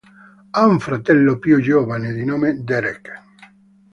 Ha una fratello più giovane di nome Derek.